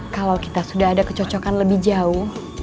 kalau kita sudah ada kecocokan lebih jauh